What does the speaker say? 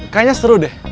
kayaknya seru deh